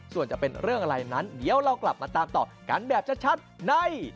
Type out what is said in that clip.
ส่วนจะเป็นเรื่องอะไรนั้นเดี๋ยวเรากลับมาตามต่อกันแบบชัดใน